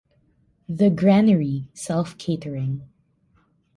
The Granary - self-catering.